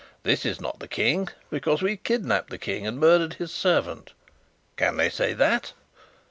This is not the King, because we kidnapped the King and murdered his servant. Can they say that?"